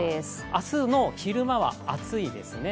明日の昼間は暑いですね。